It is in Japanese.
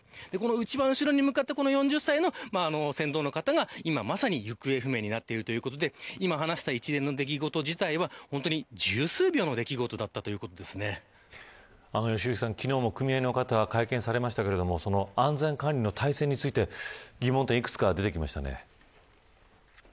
一番後ろに向かった４０歳の船頭の方が今、まさに行方不明になっているということで今、話した一連の出来事自体は十数秒の出来事だった昨日も組合の方会見されましたが安全管理の体制について疑問点いくつか出てきましたね。